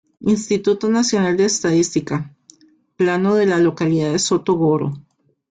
Instituto Nacional de Estadística: "Plano de la localidad de Soto Goro"